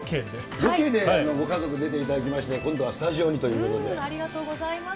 ロケで、ご家族出ていただきまして、今度はスタジオにというありがとうございます。